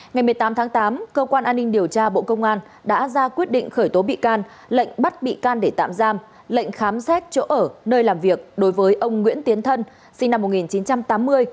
ngày một mươi tám tháng tám cơ quan an ninh điều tra bộ công an đã ra quyết định khởi tố bị can lệnh bắt bị can để tạm giam lệnh khám xét chỗ ở nơi làm việc đối với ông nguyễn tiến thân sinh năm một nghìn chín trăm tám mươi